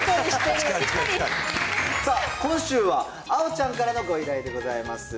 さあ、今週は、あおちゃんからのご依頼でございます。